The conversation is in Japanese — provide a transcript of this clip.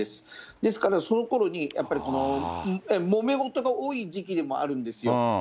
ですからそのころに、やっぱりこのもめ事が多い時期でもあるんですよ。